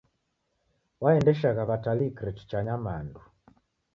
Waendeshagha w'atalii kireti cha nyamandu.